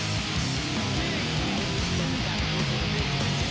สวัสดีครับ